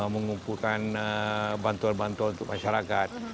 mengumpulkan bantuan bantuan untuk masyarakat